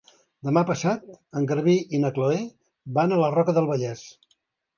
Demà passat en Garbí i na Chloé van a la Roca del Vallès.